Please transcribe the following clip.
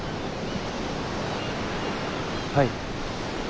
はい。